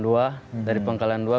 dari pangkalan dua komunikasi